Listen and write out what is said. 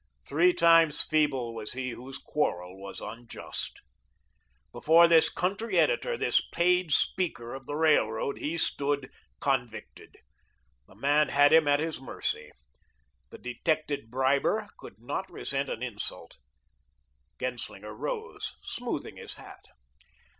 Three times feeble was he whose quarrel was unjust. Before this country editor, this paid speaker of the Railroad, he stood, convicted. The man had him at his mercy. The detected briber could not resent an insult. Genslinger rose, smoothing his hat.